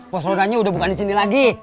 pos rondanya udah bukan di sini lagi